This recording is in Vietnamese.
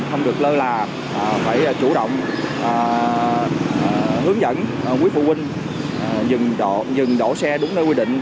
không được lơ là phải chủ động hướng dẫn quý phụ huynh dừng đổ xe đúng nơi quy định